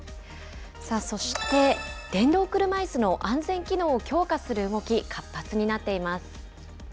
そして、電動車いすの安全機能を強化する動き、活発になっています。